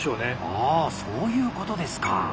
ああそういうことですか。